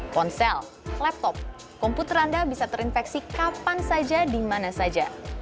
ponsel laptop komputer anda bisa terinfeksi kapan saja di mana saja